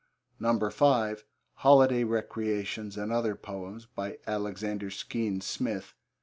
(5) Holiday Recreations and Other Poems. By Alexander Skene Smith.